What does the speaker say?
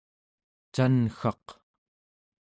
can'ggaq